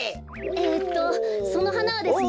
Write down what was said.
えっとそのはなはですね。